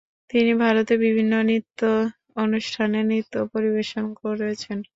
তিনি ভারতের বিভিন্ন নৃত্য অনুষ্ঠানে নৃত্য পরিবেশন করেছেন।